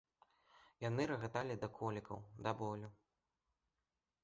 Яны рагаталі да колікаў, да болю.